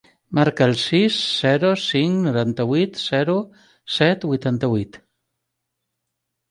Marca el sis, zero, cinc, noranta-vuit, zero, set, vuitanta-vuit.